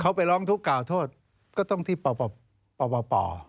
เขาไปร้องทุกข์กล่าวโทษก็ต้องที่ปป